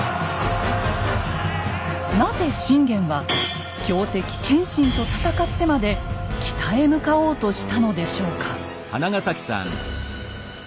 なぜ信玄は強敵・謙信と戦ってまで北へ向かおうとしたのでしょうか。